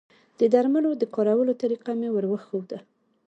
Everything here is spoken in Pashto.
د درملو د کارولو طریقه مې وروښوده